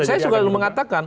saya suka mengatakan